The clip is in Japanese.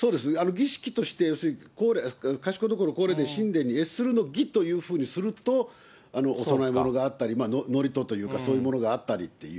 儀式として、要するに、賢所皇霊殿神殿に謁するの儀というふうにすると、お供え物があったり、祝詞というか、そういうものがあったりという。